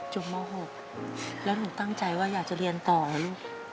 ม๖แล้วหนูตั้งใจว่าอยากจะเรียนต่อเหรอลูก